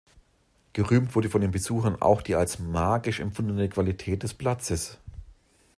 Gerühmt wurde von Besuchern auch die als magisch empfundene Qualität des Platzes.